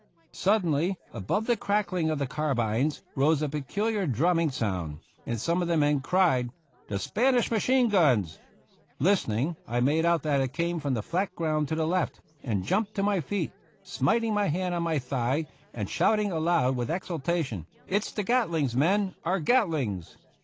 Suddenly, above the cracking of the carbines, rose a peculiar drumming sound, and some of the men cried, " The Spanish machine guns !" Lis tening, I made out that it came from the flat ground to the left, and jumped to my feet, smit ing my hand on my thigh, and shouting aloud with exultation, " It's the Gatlings, men, our Gat lings